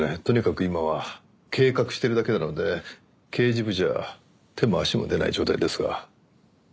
とにかく今は計画してるだけなので刑事部じゃ手も足も出ない状態ですが。